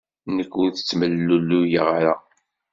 Nekk ur ttemlelluyeɣ ara.